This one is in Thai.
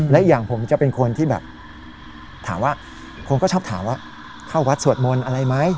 และอย่างผมจะเป็นคนที่แบบถามว่าคนก็ชอบถามว่าเข้าวัดสวดมนต์อะไรไหม